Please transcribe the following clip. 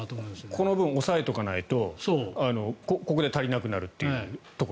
この分、抑えとかないとここで足りなくなると。